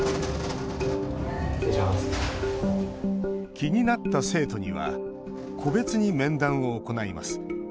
気になった生徒には個別に面談を行います。